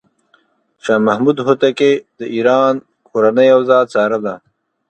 شاه محمود هوتکی د ایران کورنۍ اوضاع څارله.